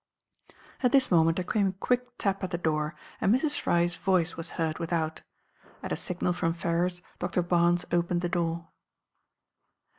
At this moment there came a quick tap at the door, and Mrs. Fry's voice was heard without. At a signal from Ferrars, Doctor Barnes opened the door.